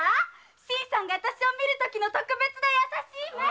新さんがわたしを見るときの特別な優しい目。